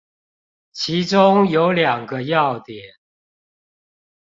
其中有兩個要點